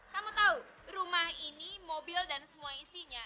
kamu tahu rumah ini mobil dan semua isinya